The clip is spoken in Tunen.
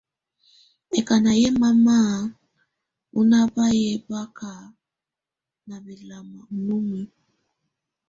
Ɛkáná yɛ́ mama ɔŋɔ́bá yɛ́ bá ká ná bɛ́lamá ú numǝ́.